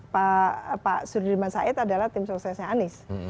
pak suri dima said adalah tim suksesnya anies